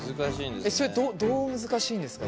それどう難しいんですか？